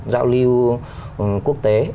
giao lưu quốc tế